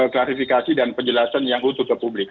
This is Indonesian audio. klarifikasi dan penjelasan yang utuh ke publik